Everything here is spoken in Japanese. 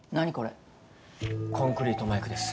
コンクリートマイクです。